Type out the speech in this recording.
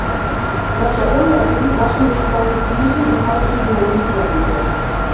Seit Jahrhunderten lassen sich Portugiesen im heutigen Namibia nieder.